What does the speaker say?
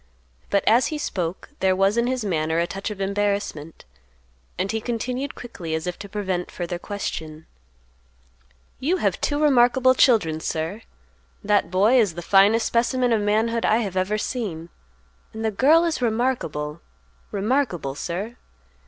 But, as he spoke, there was in his manner a touch of embarrassment, and he continued quickly as if to prevent further question, "You have two remarkable children, sir; that boy is the finest specimen of manhood I have ever seen, and the girl is remarkable—remarkable, sir.